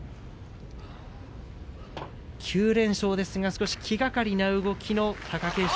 ９連勝ですが少し気がかりな動きの貴景勝。